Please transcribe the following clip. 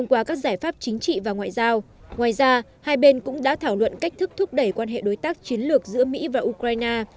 ngoài các giải pháp chính trị và ngoại giao ngoài ra hai bên cũng đã thảo luận cách thức thúc đẩy quan hệ đối tác chiến lược giữa mỹ và ukraine